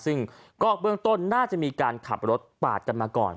ซึ่งก็เบื้องต้นน่าจะมีการขับรถปาดกันมาก่อน